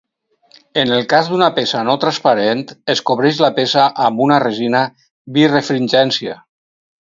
En el cas d'una peça no transparent, es cobreix la peça amb una resina Birefringència.